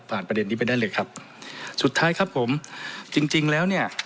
ประเด็นนี้ไปได้เลยครับสุดท้ายครับผมจริงจริงแล้วเนี่ย